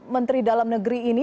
menteri dalam negeri ini